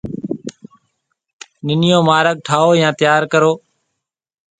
نئيون مارگ ٺاهيَو يان تيار ڪرو۔